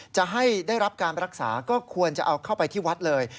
จะให้ได้รับการรักษาก็ควรจะเอาเข้าไปที่วัดเลย